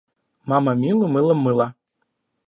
Мама Милу мылом мыла.